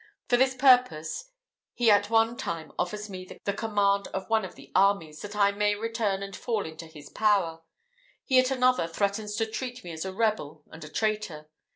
For this purpose, he at one time offers me the command of one of the armies, that I may return and fall into his power; he at another threatens to treat me as a rebel and a traitor.